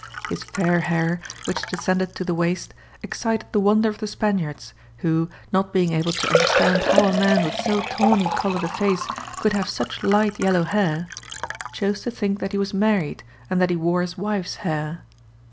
His fair hair, which descended to the waist, excited the wonder of the Spaniards, who, not being able to understand how a man with so tawny coloured a face could have such light yellow hair, "chose to think that he was married, and that he wore his wife's hair."